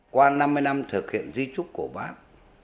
qua năm mươi năm thực hiện di trúc của bác